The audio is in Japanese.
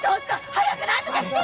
早く何とかしてよ！